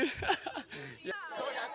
silahkan tahu apa lagi mencoba